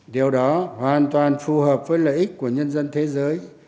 điều đó hoàn toàn phù hợp với lợi ích của nhân dân thế giới